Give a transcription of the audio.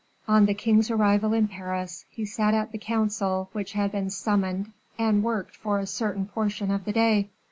On the king's arrival in Paris, he sat at the council which had been summoned, and worked for a certain portion of the day.